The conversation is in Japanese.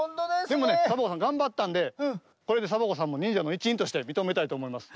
でもねサボ子さんがんばったんでこれでサボ子さんもにんじゃのいちいんとしてみとめたいとおもいます。